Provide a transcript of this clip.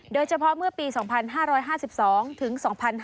โดยเฉพาะเมื่อปี๒๕๕๒ถึง๒๕๕๙